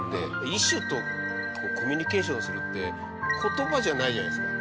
異種とコミュニケーションするって言葉じゃないじゃないですか。